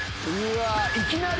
いきなり？